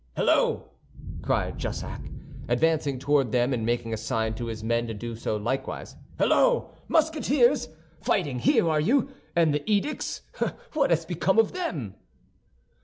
"Halloo!" cried Jussac, advancing toward them and making a sign to his men to do so likewise, "halloo, Musketeers? Fighting here, are you? And the edicts? What is become of them?"